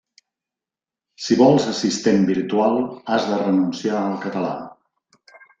Si vols assistent virtual, has de renunciar al català.